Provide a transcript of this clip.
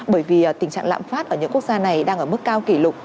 bởi vì tình trạng lạm phát ở những quốc gia này đang ở mức cao kỷ lục